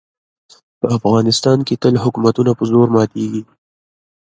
په افغانستان کې تل حکومتونه په زور ماتېږي.